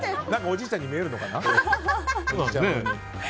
おじいちゃんに見えるのかな。